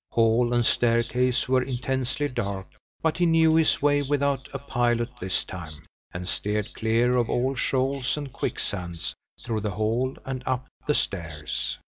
Hall and staircase were intensely dark, but he knew his way without a pilot this time, and steered clear of all shoals and quicksands, through the hall and up the stairs.